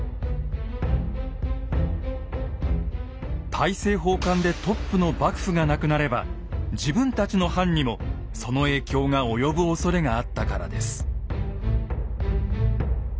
大政奉還でトップの幕府がなくなれば自分たちの藩にもその影響が及ぶおそれがあったからです。